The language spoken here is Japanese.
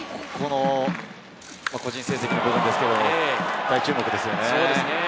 個人成績の部分ですけれど、大注目ですよね。